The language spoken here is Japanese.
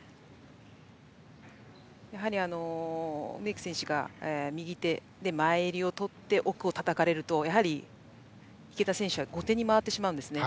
やはり、梅木選手が右手で前襟を取って奥をたたかれるとやはり池田選手は後手に回ってしまうんですね。